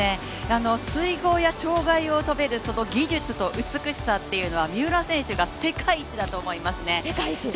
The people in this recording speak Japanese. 水濠や障害を跳べるその技術と美しさっていうのは三浦選手が世界一だと思いますね。